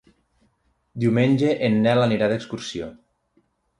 Diumenge en Nel anirà d'excursió.